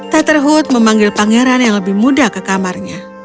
tetherhood memanggil pangeran yang lebih muda ke kamarnya